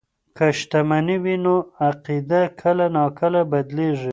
که شتمني وي نو عقیده کله ناکله بدلیږي.